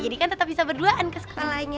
jadi kan tetep bisa berduaan ke sekolahnya